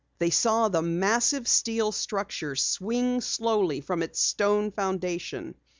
They saw the massive steel structure swing slowly from its stone foundation.